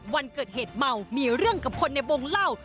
วันเกิดเหตุเมามีเรื่องกับคนในวงเล่า